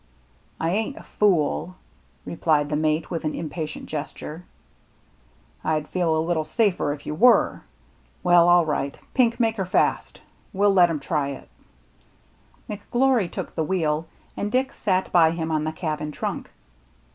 '*" I ain't a fool," replied the mate, with an impatient gesture. " I'd feel a little safer if you were. Well, 132 THE MERRT ANNE all right. Pink, make her fast. We'll let him try it." McGlory took the wheel, and Dick sat by him on the cabin trunk.